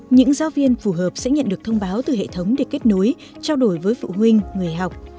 những giáo viên phù hợp sẽ nhận được thông báo từ hệ thống để kết nối trao đổi với phụ huynh người học